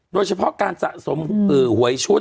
โดยเฉพาะการสะสมหวยชุด